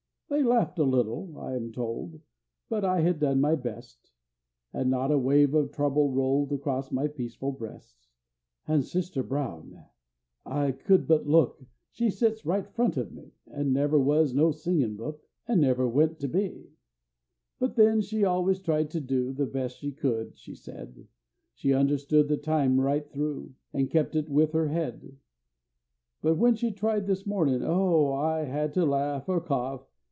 They laughed a little, I am told; But I had done my best; And not a wave of trouble rolled Across my peaceful breast. And Sister Brown I could but look She sits right front of me; She never was no singin' book, An' never went to be; But then she al'ays tried to do The best she could, she said; She understood the time right through, An' kep' it with her head; But when she tried this mornin', oh, I had to laugh, or cough!